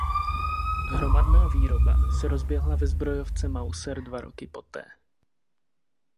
Hromadná výroba se rozběhla ve zbrojovce Mauser dva roky poté.